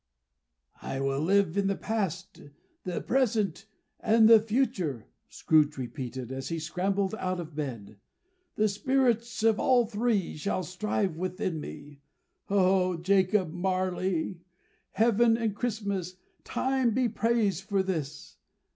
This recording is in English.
"I will live in the Past, the Present, and the Future!" Scrooge repeated, as he scrambled out of bed. "The Spirits of all Three shall strive within me. O Jacob Marley! Heaven and the Christmas Time be praised for this!